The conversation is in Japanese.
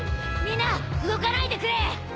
みんな動かないでくれ